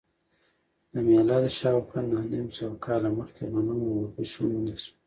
له میلاده شاوخوا نهه نیم سوه کاله مخکې غنم او اوربشې وموندل شول